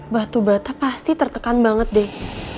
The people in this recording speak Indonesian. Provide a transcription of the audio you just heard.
batu bata pasti tertekan banget deh